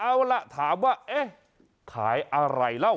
เอาล่ะถามว่าเอ๊ะขายอะไรเล่า